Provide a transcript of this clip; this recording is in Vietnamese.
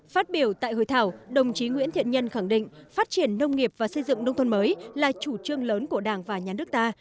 phát biểu tại hội thảo đồng chí nguyễn thiện nhân khẳng định phát triển nông nghiệp và xây dựng nông thôn mới là chủ trương lớn của đảng và nhà nước ta